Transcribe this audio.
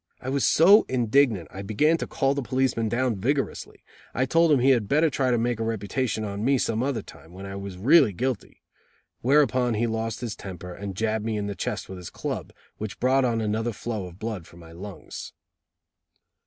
I was so indignant I began to call the policeman down vigorously. I told him he had better try to make a reputation on me some other time, when I was really guilty, whereupon he lost his temper, and jabbed me in the chest with his club, which brought on another flow of blood from my lungs.